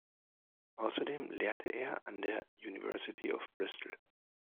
Außerdem lehrte er an der University of Bristol.